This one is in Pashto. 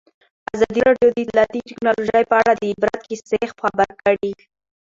ازادي راډیو د اطلاعاتی تکنالوژي په اړه د عبرت کیسې خبر کړي.